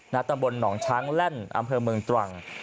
ตำบลหนองช้างแล่นอำเภอเมืองตรัง